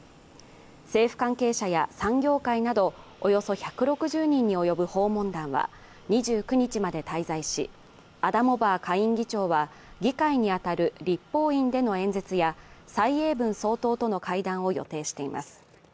政府関係者や産業界など、およそ１６０人に及ぶ訪問団は２９日まで滞在し、アダモバー下院議長は議会に当たる立法院での演説や蔡英文総統との会談を予定しています。